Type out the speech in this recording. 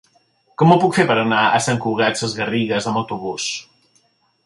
Com ho puc fer per anar a Sant Cugat Sesgarrigues amb autobús?